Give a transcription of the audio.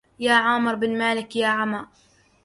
يا عامر بن مالك يا عما